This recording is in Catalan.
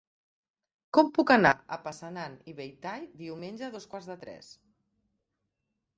Com puc anar a Passanant i Belltall diumenge a dos quarts de tres?